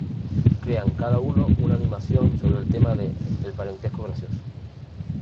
Crean cada uno una animación sobre el tema de "El parentesco gracioso".